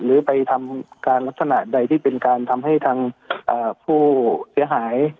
หรือไปทำการลักษณะใดที่เป็นการทำให้ทางผู้เสียหาย